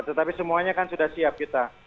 tetapi semuanya kan sudah siap kita